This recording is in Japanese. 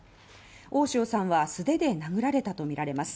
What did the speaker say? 大塩さんは素手で殴られたとみられます。